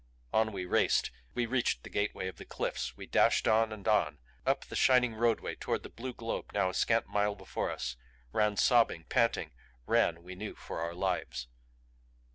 On we raced; we reached the gateway of the cliffs; we dashed on and on up the shining roadway toward the blue globe now a scant mile before us; ran sobbing, panting ran, we knew, for our lives.